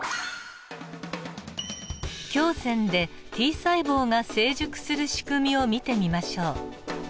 胸腺でＴ細胞が成熟するしくみを見てみましょう。